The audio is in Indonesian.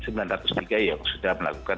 sembilan ratus tiga yang sudah melakukan